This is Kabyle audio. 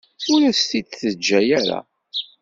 Ur as-t-id-teǧǧa ara.